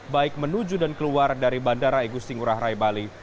baik menuju dan keluar dari bandara igusti ngurah rai bali